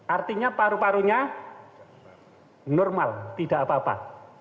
artinya paru parunya normal tidak apa apa